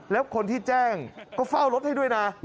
แล้วคนที่แจ้งก็เฝ้ารถให้ด้วยนะ